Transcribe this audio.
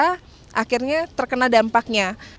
kenapa harus orang orang yang terkena dampaknya